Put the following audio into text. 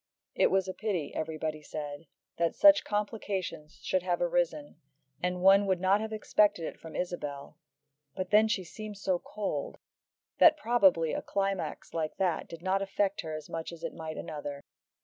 It was a pity, everybody said, that such complications should have arisen, and one would not have expected it from Isabel, but then she seemed so cold, that probably a climax like that did not affect her as much as it might another.